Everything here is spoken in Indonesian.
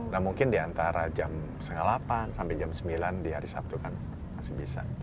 nah mungkin di antara jam setengah delapan sampai jam sembilan di hari sabtu kan masih bisa